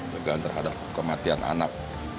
dugaan terhadap kematian anak